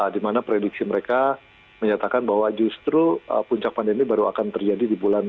di mana prediksi mereka menyatakan bahwa justru puncak pandemi baru akan terjadi di bulan